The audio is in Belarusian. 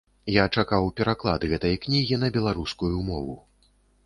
Я чакаў пераклад гэтай кнігі на беларускую мову.